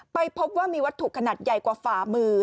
พบว่ามีวัตถุขนาดใหญ่กว่าฝ่ามือ